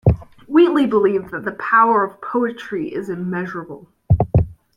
Wheatley believed that the power of poetry is immeasurable.